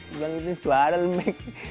dia bilang gitu suara lemek